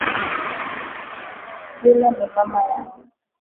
Yule ni mama yangu